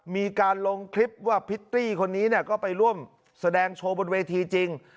มีการลงคลิปว่าพิตตี้คนนี้ก็ไปร่วมแสดงโชว์บนเวทีจริง